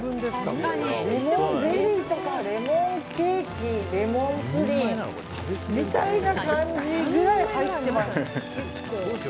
レモンゼリーとかレモンケーキレモンプリンみたいな感じぐらい入ってます。